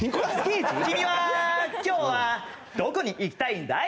「君は今日はどこに行きたいんだい？